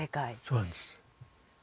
そうなんです。